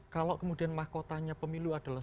kalau kemudian mahkotanya pemilu adalah